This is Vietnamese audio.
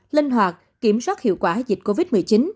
linh hoạt kiểm soát hiệu quả dịch covid một mươi chín